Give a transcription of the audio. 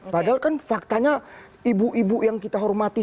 padahal kan faktanya ibu ibu yang kita hormati